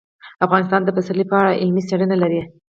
افغانستان د پسرلی په اړه علمي څېړنې لري.